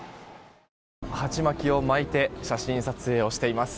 鉢巻きを巻いて写真撮影をしています。